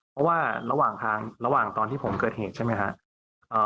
เพราะว่าระหว่างทางระหว่างตอนที่ผมเกิดเหตุใช่ไหมครับ